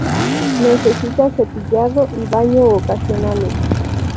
Necesita cepillado y baño ocasionales.